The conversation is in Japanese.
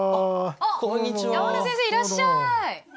あっ山根先生いらっしゃい！